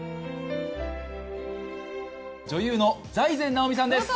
女優の財前直見さんです。